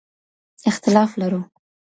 اختلاف لرو.